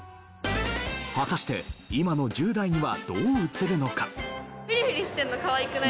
果たして今の１０代にはどう映るのか？